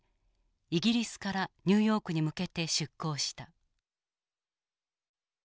イギリスからニューヨークに向けて出航した。